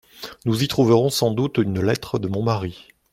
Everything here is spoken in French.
Nous y trouverons sans doute une lettre de mon mari.